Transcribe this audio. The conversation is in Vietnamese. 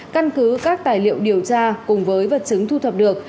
căn cứ các tài liệu điều tra cùng với vật chứng thu thập được